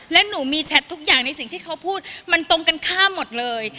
และหนูมีแชททุกอย่างในสิ่งที่เขาพูดมันตรงกันข้ามหมดเลย